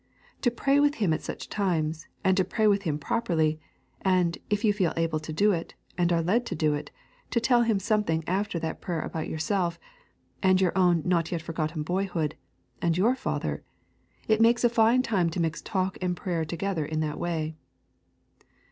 To pray with him at such times, and to pray with him properly, and, if you feel able to do it, and are led to do it, to tell him something after the prayer about yourself, and your own not yet forgotten boyhood, and your father; it makes a fine time to mix talk and prayer together in that way.